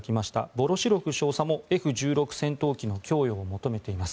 ヴォロシロフ少佐もＦ１６戦闘機の供与を求めています。